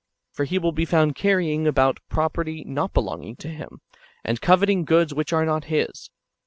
For he will be found carrying about property not belonging to him, and coveting goods which are not his.